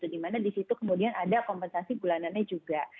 dimana di situ kemudian ada kompensasi bulanannya juga